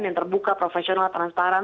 yang terbuka profesional transparan